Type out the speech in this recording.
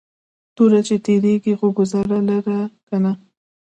توره چې تیرېږي خو گزار لره کنه